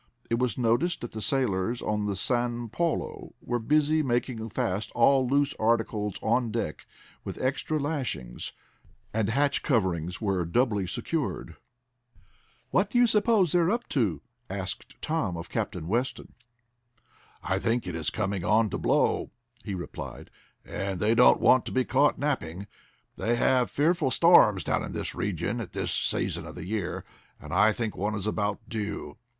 It was noticed that the sailors on the San Paulo were busy making fast all loose articles on deck with extra lashings, and hatch coverings were doubly secured. "What do you suppose they are up to?" asked Tom of Captain Weston. "I think it is coming on to blow," he replied, "and they don't want to be caught napping. They have fearful storms down in this region at this season of the year, and I think one is about due."